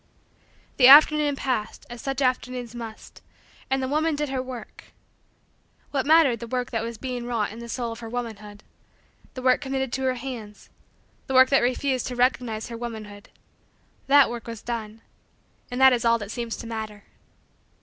The afternoon passed, as such afternoons must, and the woman did her work. What mattered the work that was being wrought in the soul of her womanhood the work committed to her hands the work that refused to recognize her womanhood that work was done and that is all that seems to matter.